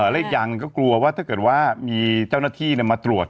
และอีกอย่างหนึ่งก็กลัวว่าถ้าเกิดว่ามีเจ้าหน้าที่มาตรวจ